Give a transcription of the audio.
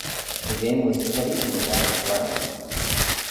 The game was played in the last round.